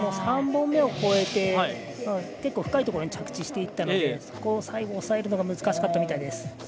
３本目を越えて結構深いところに着地していったのでそこを最後、抑えるのが難しかったみたいです。